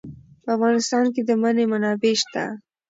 په افغانستان کې د منی منابع شته.